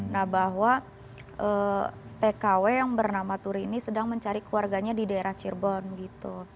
nah bahwa tkw yang bernama turi ini sedang mencari keluarganya di daerah cirebon gitu